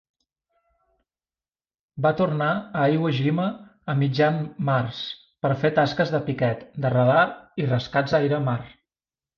Va tornar a Iwo Jima a mitjan març per fer tasques de piquet de radar i rescats aire-mar.